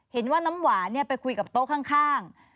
เห็นว่าน้ำหวานไปคุยกับโต๊ะข้าง